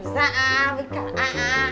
dạ với cả